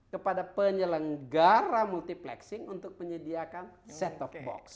kepada penyelenggara multiplexing untuk menyediakan set top box